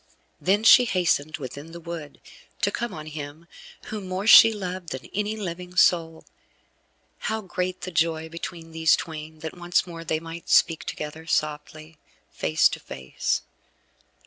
Then she hastened within the wood, to come on him whom more she loved than any living soul. How great the joy between these twain, that once more they might speak together softly, face to face.